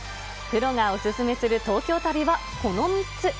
プロがお勧めする東京旅は、この３つ。